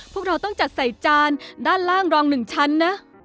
พวกเราต้องจัดใส่จานด้านล่างรอง๑ชั้นนะ